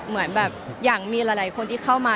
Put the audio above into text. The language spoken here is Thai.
เหมือนแบบอยากมีหลายคนที่เข้ามา